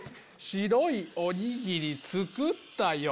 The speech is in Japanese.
白いおにぎり作ったよ